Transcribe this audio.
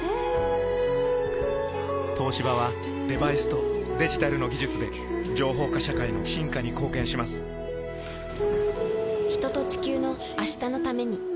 東芝はデバイスとデジタルの技術で情報化社会の進化に貢献します人と、地球の、明日のために。